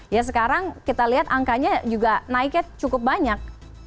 ya sekarang kita lihat angkanya juga naiknya cukup banyak